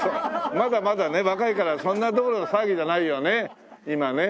まだまだね若いからそんなどころの騒ぎじゃないよね今ね。